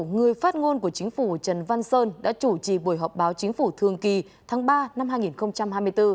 người phát ngôn của chính phủ trần văn sơn đã chủ trì buổi họp báo chính phủ thường kỳ tháng ba năm hai nghìn hai mươi bốn